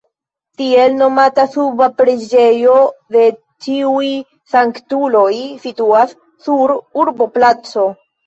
Tiel nomata suba preĝejo de Ĉiuj Sanktuloj situas sur urboplaco.